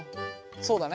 そうだね。